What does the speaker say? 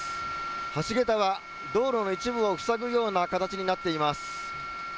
橋桁は道路の一部を塞ぐような形になっています。